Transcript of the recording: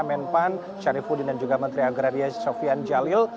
menpan syarifudin dan juga menteri agraria sofian jalil